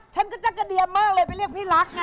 ฉันก็จักรเดียมมากเลยไปเรียกพี่รักไง